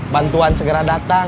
bantuan segera datang